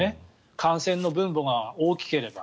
感染の分母が大きければ。